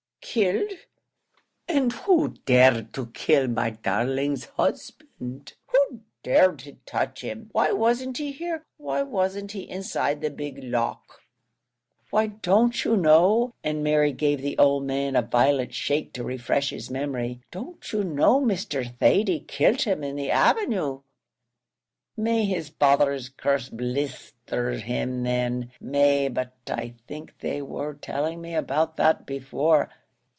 "Killed and who dared to kill my darling's husband? who'd dare to touch him? why wasn't he here? why wasn't he inside the big lock?" "Why, don't you know," and Mary gave the old man a violent shake to refresh his memory; "don't you know Mr. Thady kilt him in the avenue?" "May his father's curse blisther him then! May but I think they wor telling me about that before.